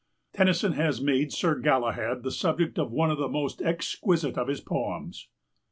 Tennyson has made Sir Galahad the subject of one of the most exquisite of his poems.